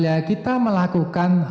dan apabila kita melakukan